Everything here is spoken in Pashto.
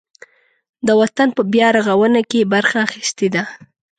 د وطن په بیارغاونه کې یې برخه اخیستې ده.